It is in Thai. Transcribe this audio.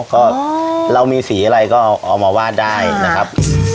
ก็เรามีสีอะไรก็เอามาวาดได้นะครับ